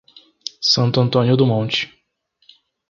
Santo Antônio do Monte